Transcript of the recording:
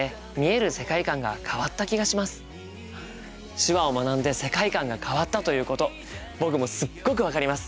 手話を学んで世界観が変わったということ僕もすっごく分かります。